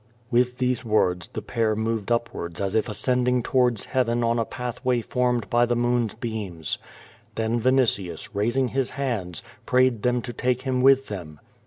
With these words the pair moved upwards as if ascending towards heaven on a pathway formed by the moon's beams. Then Vinitius, raising his hands, prayed them to take him with them.